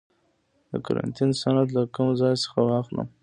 د قرنطین سند له کوم ځای واخلم؟